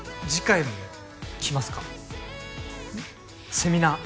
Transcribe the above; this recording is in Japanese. セミナー。